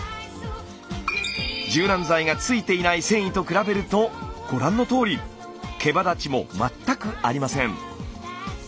柔軟剤がついていない繊維と比べるとご覧のとおりけばだちも全くありません。